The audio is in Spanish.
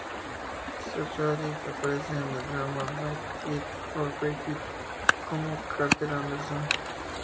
Zachary aparece en el drama "Make It or Break It" como Carter Anderson.